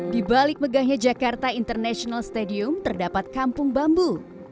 di balik megahnya jakarta international stadium terdapat kampung bambu